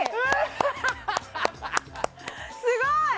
すごい！